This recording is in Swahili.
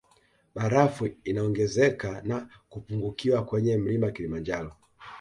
Barafu inaongezeka na kupungukiwa kwenye mlima kilimanjaro